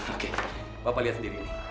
oke bapak lihat sendiri